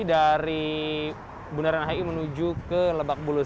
dari bundaran hi menuju ke lebak bulus